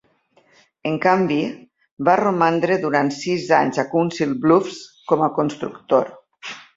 En canvi, va romandre durant sis anys a Council Bluffs com a constructor.